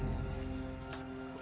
terima kasih pak